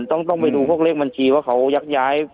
ต้องไปดูพวกเลขบัญชีว่าเขายักย้าย